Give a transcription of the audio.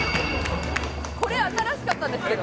これ新しかったんですけど。